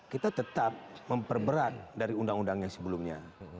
kita tetap memperberat dari undang undang yang sebelumnya